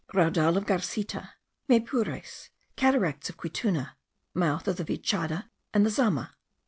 RAUDAL OF GARCITA. MAYPURES. CATARACTS OF QUITUNA. MOUTH OF THE VICHADA AND THE ZAMA.